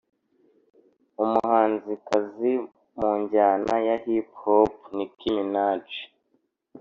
umuhanzikazi mu njyana ya “hip hop” nicki minaj